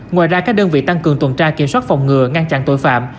ngoài ra các đơn vị tăng cường tuần tra kiểm soát phòng ngừa ngăn chặn tội phạm